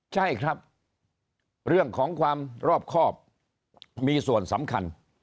ใช่ครับเรื่องของความรอบครอบมีส่วนสำคัญ